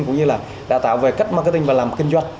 cũng như là đào tạo về cách marketing và làm kinh doanh